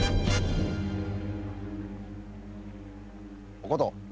お琴。